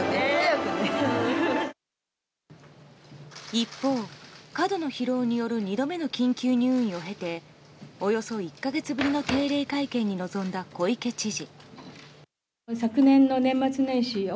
一方、過度の疲労による２度目の緊急入院を経ておよそ１か月ぶりの定例会見に臨んだ小池知事。